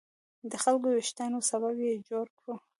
د خلکو د ویښتیا سبب یې جوړ کړو.